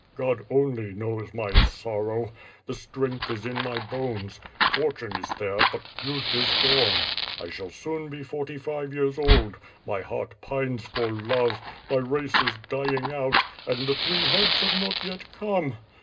God only knows my sorrow. The strength is in my bones. Fortune is there, but youth is gone. I shall soon be forty five years old; my heart pines for love; my race is dying out, and the three heads have not yet come!